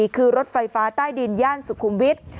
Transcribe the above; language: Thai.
คือรถไฟฟ้าใต้ดินย่านสุขุมวิทย์